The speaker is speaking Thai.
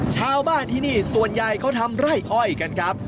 ชาวบ้านที่นี่ส่วนใหญ่เขาทำไร่อ้อยกันครับ